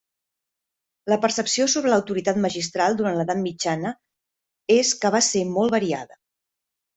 La percepció sobre l'autoritat magistral durant l'edat mitjana és que va ser molt variada.